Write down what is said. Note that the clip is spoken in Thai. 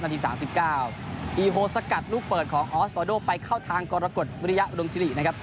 ที๓๙อีโฮสกัดลูกเปิดของออสวาโดไปเข้าทางกรกฎวิริยะอุดมสิรินะครับ